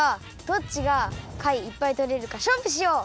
どっちがかいいっぱいとれるかしょうぶしよう！